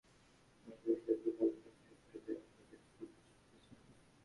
Pakistan cricket বোর্ডের সভাপতি নজম শেঠিই হোয়াটমোরকে বিদায় করে দেওয়ার ব্যাপারটি প্রকাশ করেছেন।